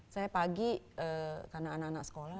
saya pagi karena anak anak sekolah